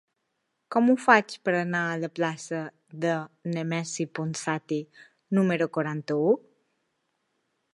Com ho faig per anar a la plaça de Nemesi Ponsati número quaranta-u?